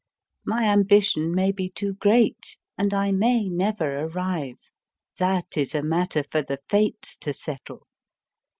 My ambition may be too great, and I may never arrive. That is a matter for the fates to settle.